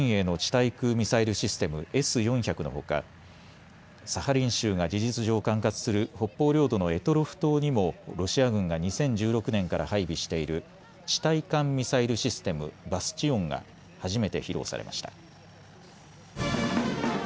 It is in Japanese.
対空ミサイルシステム、Ｓ４００のほかサハリン州が事実上、管轄する北方領土の択捉島にもロシア軍が２０１６年から配備している地対艦ミサイルシステム、バスチオンが初めて披露されました。